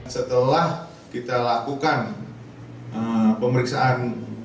setelah kita lakukan pemeriksaan